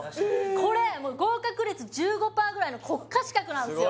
これ合格率１５パーぐらいの国家資格なんすよ